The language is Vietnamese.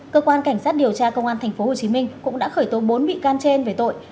cơ quan cảnh sát điều tra công an tp hcm cũng đã khởi tố bốn bị can trên về tội